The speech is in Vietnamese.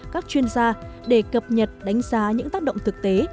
các chuyên gia để cập nhật đánh giá những tác động thực tế